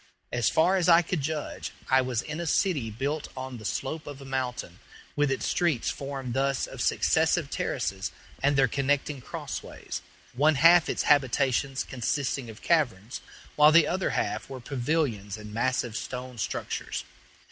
As far as I could judge, I was in a city built on the slope of a mountain, with its streets formed thus of successive terraces and their connecting cross ways, one half its habitations consisting of caverns, while the other half were pavilions and massive stone structures.